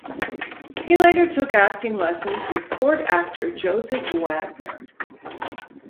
He later took acting lessons with court actor Joseph Wagner.